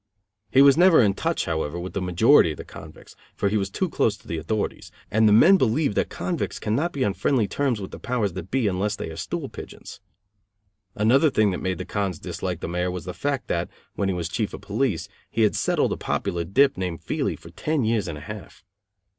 He was never in touch, however, with the majority of the convicts, for he was too close to the authorities; and the men believe that convicts can not be on friendly terms with the powers that be unless they are stool pigeons. Another thing that made the "cons" dislike the Mayor was the fact, that, when he was chief of police, he had settled a popular dip named Feeley for ten years and a half.